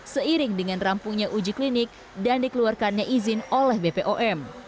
seiring dengan rampungnya uji klinik dan dikeluarkannya izin oleh bpom